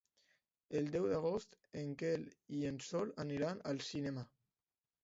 El deu d'agost en Quel i en Sol aniran al cinema.